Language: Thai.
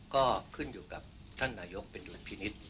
ก็ขึ้นอยู่กับท่านนายกเป็นดุลพินิษฐ์